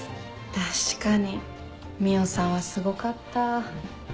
確かに海音さんはすごかった。